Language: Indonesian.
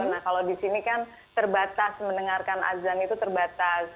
nah kalau di sini kan terbatas mendengarkan azan itu terbatas